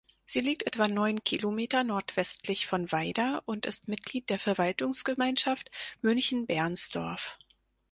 Sie liegt etwa neun Kilometer nordwestlich von Weida und ist Mitglied der Verwaltungsgemeinschaft Münchenbernsdorf.